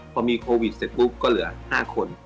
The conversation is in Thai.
พอมีโควิดเสร็จปุ๊บก็เหลือ๕คน